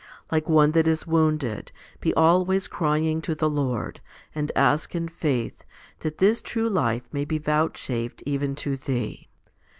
Like one that is wounded, be always crying to the Lord, and ask in faith, that this true life may be vouchsafed even to thee.